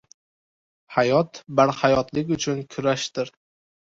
Hayot barhayotlik uchun kurashdir…